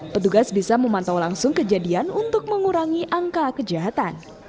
petugas bisa memantau langsung kejadian untuk mengurangi angka kejahatan